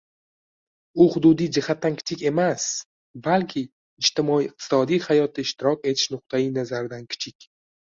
U hududiy jihatdan kichik emas, balki ijtimoiy-iqtisodiy hayotda ishtirok etish nuqtai nazaridan kichik